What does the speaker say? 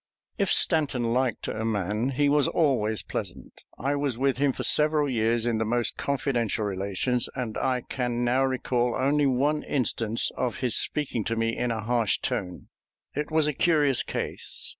If Stanton liked a man, he was always pleasant. I was with him for several years in the most confidential relations, and I can now recall only one instance of his speaking to me in a harsh tone. It was a curious case.